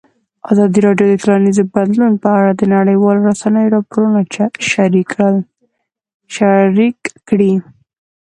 ازادي راډیو د ټولنیز بدلون په اړه د نړیوالو رسنیو راپورونه شریک کړي.